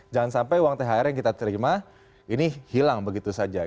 jangan sampai uang thr yang kita terima ini hilang begitu saja